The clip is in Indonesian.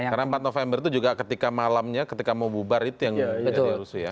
karena empat november itu juga ketika malamnya ketika mau bubar itu yang jadi rusuh ya